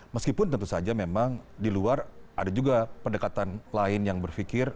meskipun tentu saja memang di luar ada juga pendekatan lain yang berpikir